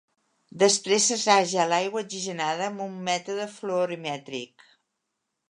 Després s'assaja l'aigua oxigenada amb un mètode fluorimètric.